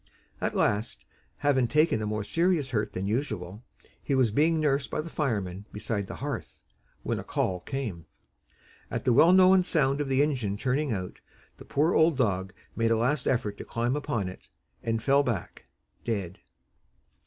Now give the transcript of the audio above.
At last, having taken a more serious hurt than usual, he was being nursed by the firemen beside the hearth, when a "call" came. At the well known sound of the engine turning out, the poor old dog made a last effort to climb upon it, and fell back dead.